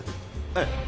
ええ。